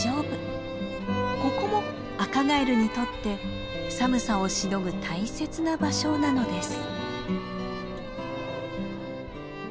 ここもアカガエルにとって寒さをしのぐ大切な場所なのです。